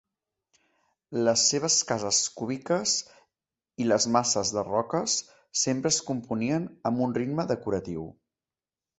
Les seves cases cúbiques i les masses de roques sempre es componien amb un ritme decoratiu.